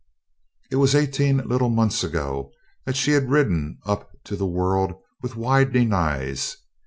It was eighteen little months ago that she had ridden up to the world with widening eyes.